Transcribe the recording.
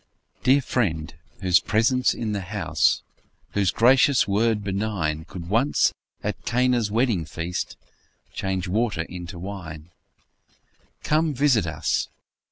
Dear Friend! whose presence in the house, Whose gracious word benign, Could once, at Cana's wedding feast, Change water into wine; Come, visit us!